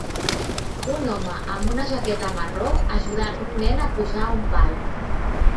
Un home amb una jaqueta marró ajudant un nen a pujar a un pal.